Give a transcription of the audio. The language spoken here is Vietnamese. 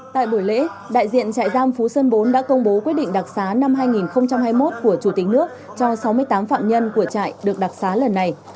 tại buổi lễ đại diện trại giam phú sơn bốn đã công bố quyết định đặc xá năm hai nghìn hai mươi một của chủ tịch nước cho sáu mươi tám phạm nhân của trại được đặc xá lần này